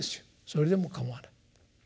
それでもかまわない。